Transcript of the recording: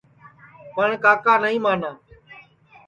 پٹؔ کاکا نائی مانا